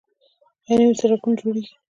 آیا نوي سرکونه جوړیږي؟